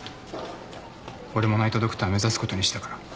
俺もナイト・ドクター目指すことにしたから。